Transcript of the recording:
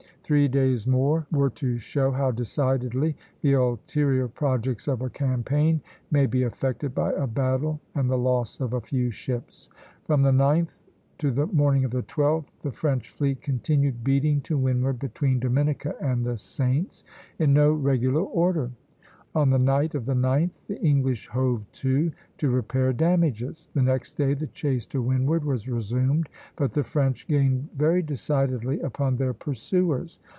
Three days more were to show how decidedly the ulterior projects of a campaign may be affected by a battle and the loss of a few ships. From the 9th to the morning of the 12th the French fleet continued beating to windward between Dominica and the Saints, in no regular order. On the night of the 9th the English hove to to repair damages. The next day the chase to windward was resumed, but the French gained very decidedly upon their pursuers.